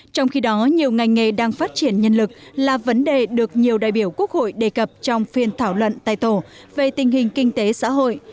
trong khi đó nhiều ngành nghề đang phát triển nhân lực là vấn đề được nhiều đại biểu quốc hội đề cập trong phiên thảo luận tại tổ về tình hình kinh tế xã hội